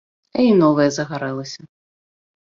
А і новае загарэлася.